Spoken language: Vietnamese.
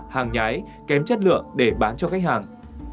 hàng nhái kém chất lượng để bán cho khách hàng